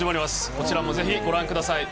こちらもぜひご覧ください。